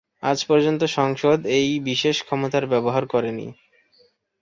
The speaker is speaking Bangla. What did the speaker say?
আজ পর্যন্ত সংসদ এই বিশেষ ক্ষমতার ব্যবহার করেনি।